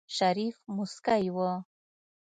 شريف موسکی و.